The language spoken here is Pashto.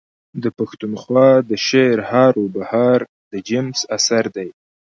د پښتونخوا د شعرهاروبهار د جيمز اثر دﺉ.